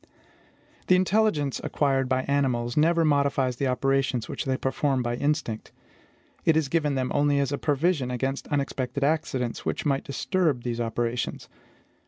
The intelligence acquired by animals never modifies the operations which they perform by instinct: it is given them only as a provision against unexpected accidents which might disturb these operations.